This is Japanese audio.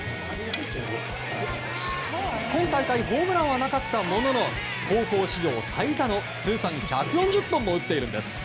今大会ホームランはなかったものの高校史上最多の通算１４０本も打っているんです。